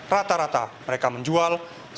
rata rata mereka menjual